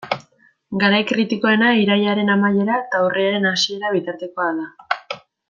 Garai kritikoena irailaren amaiera eta urriaren hasiera bitartekoa da.